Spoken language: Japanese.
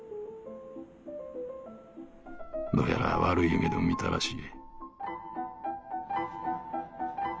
「どうやら悪い夢でも見たらしい」。